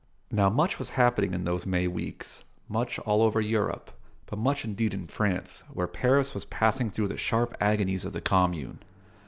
Now, much was happening in those May weeks much all over Europe, but much indeed in France, where Paris was passing through the sharp agonies of the Commune.